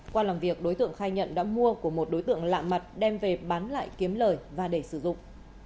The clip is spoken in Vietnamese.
qua làm việc đối tượng khai nhận đã mua của một đối tượng lạ mặt đem về bán lại kiếm lời và để sử dụng